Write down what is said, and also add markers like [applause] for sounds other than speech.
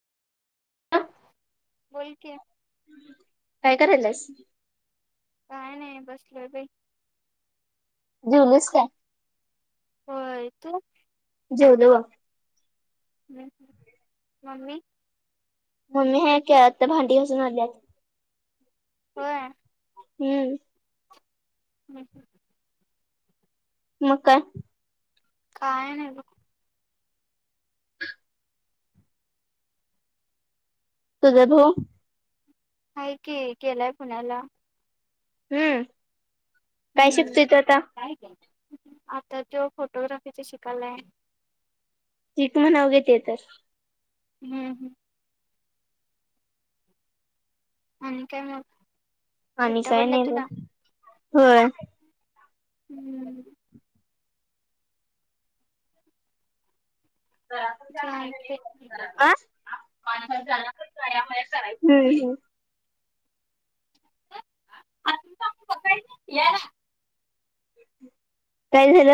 बोल की करालायस काय नाही बसलोय बे जेवलीस काय? होय तु? जेवलो बघ हम् हम् मम्मी मम्मी हे त्या भांडी घसून आल्यायात होय हम्म हम् हम् मग काय काय नाही तुझ भाऊ? आहे की, गेलाय पुण्याला. हम्म. काय हम्म शिकतोय तो आता काय. आता तो फोटोग्राफीचा शिकालाय. शीक म्हणाव की ते तर. हम्म. आणी काय मग. आणि सुट्ट्या काय पडल्या नई तुला बग. होय. हम्म. [unintelligible] चालतंय मया करायच [inaudible] [inaudible] काय झालं,